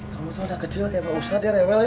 kamu tuh anak kecil kayak pak ustadz ya rewel ya